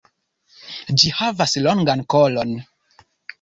Ĝi havas longan kolon.